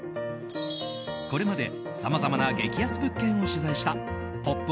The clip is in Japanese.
これまでさまざまな激安物件を取材した「ポップＵＰ！」